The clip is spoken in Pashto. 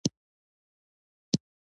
ګلداد وویل: نو له چا نه یې کمه راکړې.